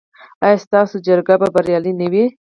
ایا ستاسو جرګې به بریالۍ نه وي؟